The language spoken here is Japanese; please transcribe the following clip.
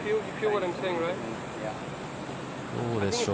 どうでしょう。